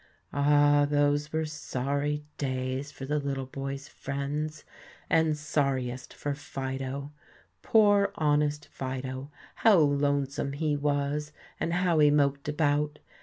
Ah, those were sorry days for the little boy's friends, and sorriest for Fido. Poor, honest Fido, how lonesome he was and how he moped about!